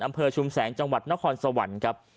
อำเภอชุมแสงจังหวัดนครสวรรค์